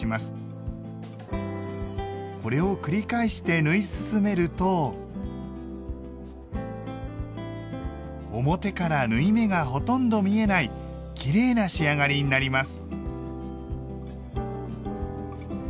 これを繰り返して縫い進めると表から縫い目がほとんど見えないきれいな仕上がりになります。